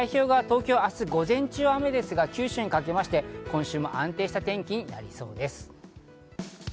太平洋側、明日午前中、雨ですが、九州にかけて今週も安定した天気になりそうです。